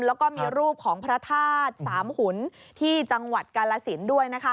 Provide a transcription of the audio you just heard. แล้วก็มีรูปของพระธาตุสามหุ่นที่จังหวัดกาลสินด้วยนะคะ